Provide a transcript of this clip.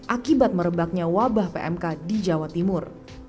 akibat merebaknya wabah pmk di jawa timur